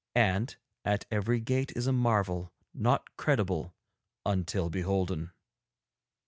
And at every gate is a marvel not credible until beholden.'